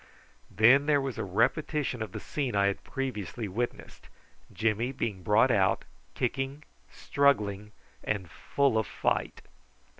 Then there was a repetition of the scene I had previously witnessed, Jimmy being brought out, kicking, struggling, and full of fight.